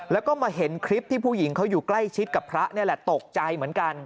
แล้วก็มาเห็นคลิปที่ผู้หญิงเขาอยู่ใกล้ชิดกับพระนี่แหละตกใจเหมือนกัน